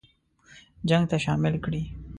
جنګ ته شامل کړي.